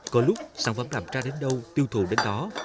có lúc sản phẩm làm ra đến đâu tiêu thụ đến đó